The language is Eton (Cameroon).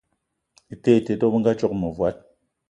Ete ete te, dò bëngadzoge mëvòd